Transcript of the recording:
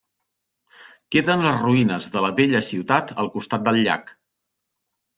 Queden les ruïnes de la vella ciutat al costat del llac.